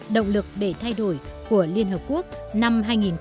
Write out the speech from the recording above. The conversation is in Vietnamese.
động lực để thay đổi của liên hợp quốc năm hai nghìn một mươi sáu